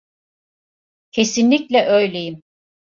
Kesinlikle öyleyim.